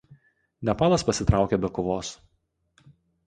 Nepalas pasitraukė be kovos.